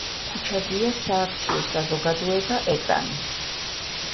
ქუჩაზეა სააქციო საზოგადოება „ეკრანი“.